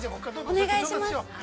◆お願いします。